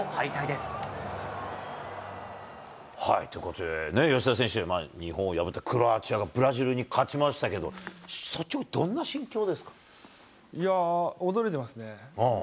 ってことでね、吉田選手、日本を破ったクロアチアがブラジルに勝ちましたけど、率直にどんいやー、驚いてますね。